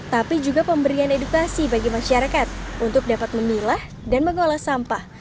tapi juga pemberian edukasi bagi masyarakat untuk dapat memilah dan mengolah sampah